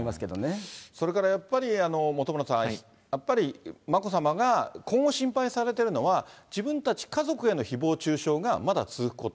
それからやっぱり、本村さん、やっぱり、眞子さまが今後、心配されてるのが、自分たち家族へのひぼう中傷がまだ続くこと。